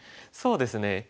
そうですね。